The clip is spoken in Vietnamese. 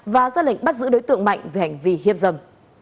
và ra lệnh bắt giữ đối tượng mạnh về hành vi hiếp dâm